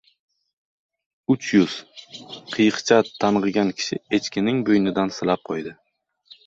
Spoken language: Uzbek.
— Uch yuz! — qiyiqcha tang‘igan kishi echkining bo‘ynidan silab qo‘ydi.